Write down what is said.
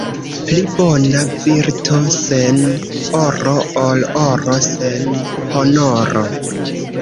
Pli bona virto sen oro, ol oro sen honoro.